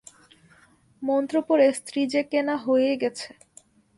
মন্ত্র পড়ে স্ত্রী যে কেনা হয়েই গেছে।